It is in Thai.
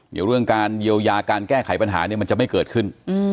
เดี๋ยวเรื่องการเยียวยาการแก้ไขปัญหาเนี่ยมันจะไม่เกิดขึ้น